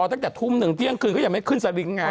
ตั้งแต่ทุ่ม๑เดือนกลีก็ยังไม่ขึ้นสลิงไง